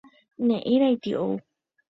Ne'írãiti ou